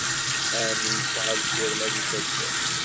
Ɛemmi yesɛa lfirma deg taddart.